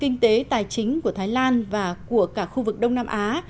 kinh tế tài chính của thái lan và của cả khu vực đông nam á